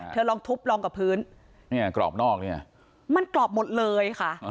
ลองทุบลองกับพื้นเนี่ยกรอบนอกเนี่ยมันกรอบหมดเลยค่ะ